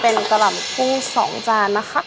เป็นการับคู่สองจานนะครับ